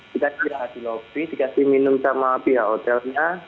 kita kembali ke lobby dikasih minum sama pihak hotelnya